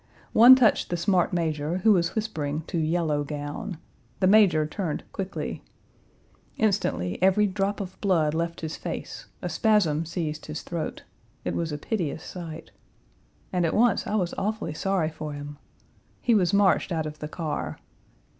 One touched the smart major, who was whispering to Yellow Gown. The major turned quickly. Instantly, every drop of blood left his face; a spasm seized his throat; it was a piteous sight. And at once I was awfully sorry for him. He was marched out of the car.